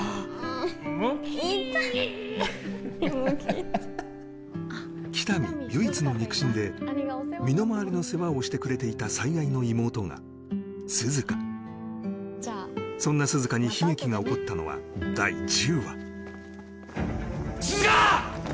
何ムキーってハハハハ喜多見唯一の肉親で身の回りの世話をしてくれていた最愛の妹が涼香そんな涼香に悲劇が起こったのは第１０話涼香！